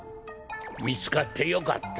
みつかってよかった。